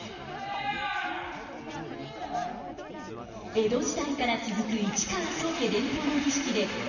江戸時代から続く市川宗家伝統の儀式で邪気を払います。